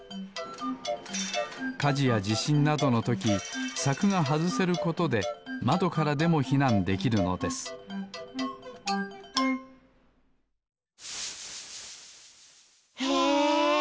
かじやじしんなどのときさくがはずせることでまどからでもひなんできるのですへえ！